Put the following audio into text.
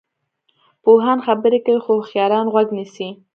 پوهان خبرې کوي خو هوښیاران غوږ نیسي.